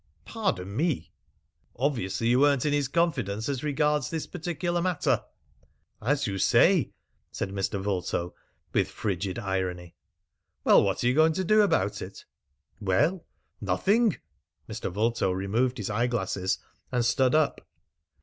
"Pardon me." "Obviously you weren't in his confidence as regards this particular matter." "As you say," said Mr. Vulto with frigid irony. "Well, what are you going to do about it?" "Well nothing." Mr. Vulto removed his eye glasses and stood up.